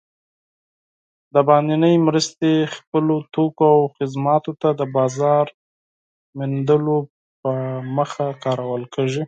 بهرنۍ مرستې خپلو توکو او خدماتو ته د بازار موندلو په موخه کارول کیږي.